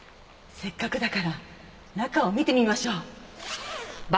せっかくだから中を見てみましょう。